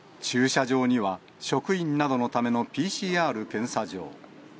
駐車場には、職員などのためのＰＣＲ検査場。